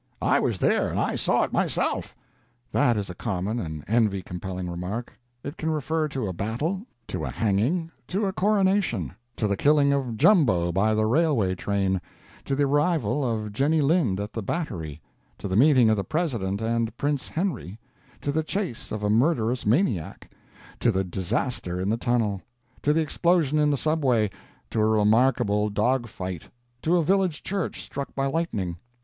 "I was there, and I saw it myself." That is a common and envy compelling remark. It can refer to a battle; to a hanging; to a coronation; to the killing of Jumbo by the railway train; to the arrival of Jenny Lind at the Battery; to the meeting of the President and Prince Henry; to the chase of a murderous maniac; to the disaster in the tunnel; to the explosion in the subway; to a remarkable dog fight; to a village church struck by lightning.